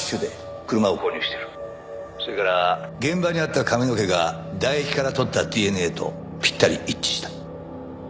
それから現場にあった髪の毛が唾液から取ったＤＮＡとぴったり一致した。